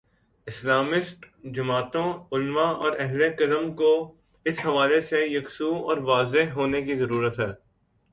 Islamist جماعتوں، علما اور اہل قلم کو اس حوالے سے یکسو اور واضح ہونے کی ضرورت ہے۔